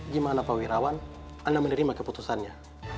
gimana pak wirawan anda menerima keputusannya